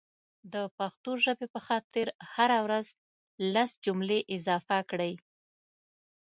دا پښتو ژبې په خاطر هره ورځ لس جملي اضافه کړئ